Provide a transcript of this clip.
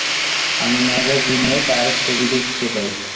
আমি ম্যাগাজিনে তার ছবি দেখতে পাই।